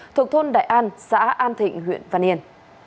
thuộc thôn đại an xã an thịnh huyện văn yên